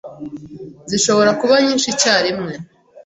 zishobora kuba nyinshi icyarimwe